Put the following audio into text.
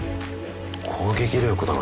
攻撃力だな。